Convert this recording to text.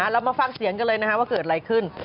แล้วมาฟังเสียงกันเลยนะฮะว่าเกิดอะไรขึ้น